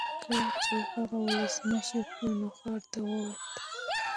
کله چې هغه ولسمشر شو نو ښار ته وووت.